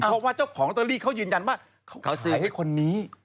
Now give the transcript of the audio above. เพราะว่าเจ้าของลอตเตอรี่เขายืนยันว่าเขาเสียให้คนนี้